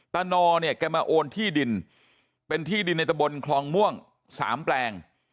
นอเนี่ยแกมาโอนที่ดินเป็นที่ดินในตะบนคลองม่วง๓แปลง